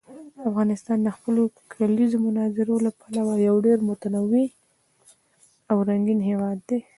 افغانستان د خپلو کلیزو منظره له پلوه یو ډېر متنوع او رنګین هېواد دی.